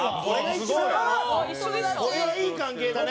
これはいい関係だね。